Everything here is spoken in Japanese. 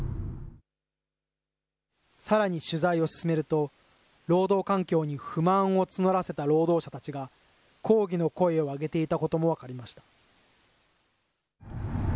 さらに取材を進めると、労働環境に不満を募らせた労働者たちが、抗議の声を上げていたことも分かりました。